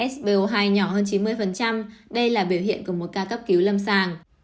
so hai nhỏ hơn chín mươi đây là biểu hiện của một ca cấp cứu lâm sàng